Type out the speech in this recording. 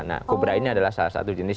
nah kobra ini adalah salah satu jenis